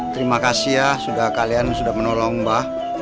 terima kasih ya sudah kalian sudah menolong mbah